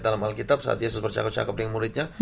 dalam alkitab saat yesus bercakap cakap dengan muridnya